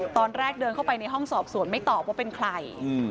ตอนแรกเดินเข้าไปในห้องสอบสวนไม่ตอบว่าเป็นใคร